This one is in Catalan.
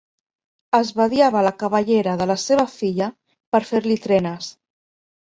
Esbadiava la cabellera de la seva filla per fer-li trenes.